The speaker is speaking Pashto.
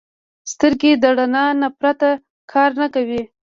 سترګې د رڼا نه پرته کار نه کوي